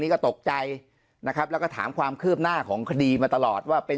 ก็ตกใจนะครับแล้วก็ถามความคืบหน้าของคดีมาตลอดว่าเป็น